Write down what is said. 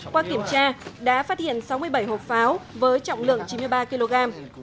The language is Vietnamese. qua kiểm tra đã phát hiện sáu mươi bảy hộp pháo với trọng lượng chín mươi ba kg